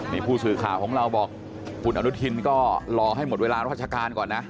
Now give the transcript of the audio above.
นี่ผู้สื่อข่าวของเราบอกคุณอนุทินก็รอให้หมดเวลาราชการก่อนนะ